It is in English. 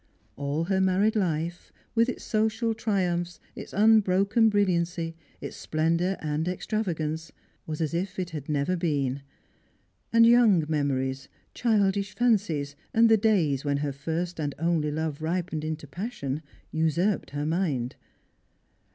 All her married life— with its Bocial triumphs, its unbroken brilliancy, its splendour and extravagance — was as if it had never been ; and young memories, childish fancies, and the days when her first and only love ripened into passion, usurped her mind.